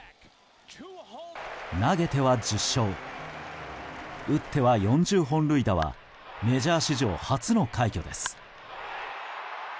投げては１０勝打っては４０本塁打はメジャー史上初の快挙です。